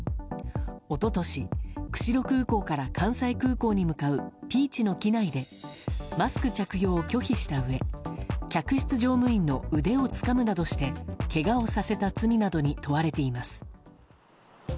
一昨年釧路空港から関西空港に向かうピーチの機内でマスク着用を拒否したうえ客室乗務員の腕をつかむなどしてけがをさせた罪などに問われています。